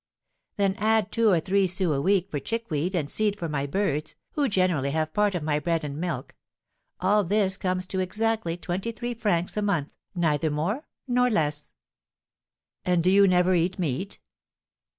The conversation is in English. Then add two or three sous a week for chickweed and seed for my birds, who generally have part of my bread and milk; all this comes to exactly twenty three francs a month, neither more nor less." "And do you never eat meat?"